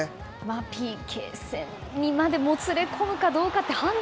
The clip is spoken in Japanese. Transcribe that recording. ＰＫ戦にまでもつれ込むかどうか判断